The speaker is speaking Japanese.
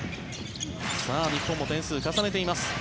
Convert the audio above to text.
日本も点数を重ねています。